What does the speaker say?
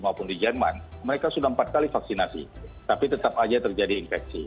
maupun di jerman mereka sudah empat kali vaksinasi tapi tetap saja terjadi infeksi